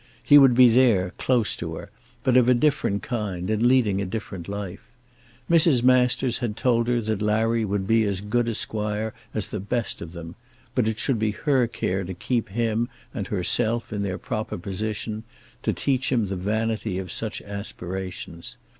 He would be there, close to her, but of a different kind and leading a different life. Mrs. Masters had told her that Larry would be as good a squire as the best of them; but it should be her care to keep him and herself in their proper position, to teach him the vanity of such aspirations.